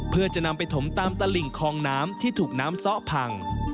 เพื่อจะนำไปถมตามตลิ่งคลองน้ำที่ถูกน้ำซ้อพัง